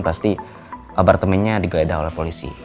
pasti apartemennya digeledah oleh polisi